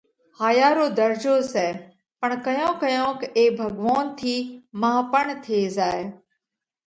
هايا رو ڌرجو سئہ، پڻ ڪيونڪ ڪيونڪ اي ڀڳوونَ ٿِي مانه پڻ ٿي زائه۔